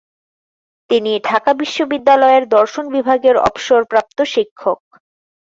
তিনি ঢাকা বিশ্ববিদ্যালয়ের দর্শন বিভাগের অবসর প্রাপ্ত শিক্ষক।